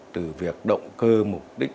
từ việc động cơ mục đích